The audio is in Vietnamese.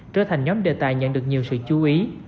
trở thành nhóm đề tài nhận được nhiều sự chú ý